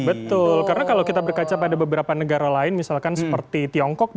betul karena kalau kita berkaca pada beberapa negara lain misalkan seperti tiongkok